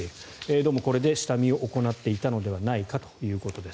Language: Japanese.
どうもこれで下見を行っていたのではないかということです。